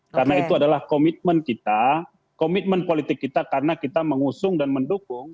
karena itu adalah komitmen kita komitmen politik kita karena kita mengusung dan mendukung